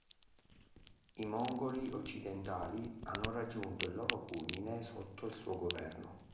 I mongoli occidentali hanno raggiunto il loro culmine sotto il suo governo.